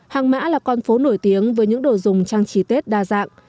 hàng mã là con phố nổi tiếng với những đồ dùng trang trí tết đa dạng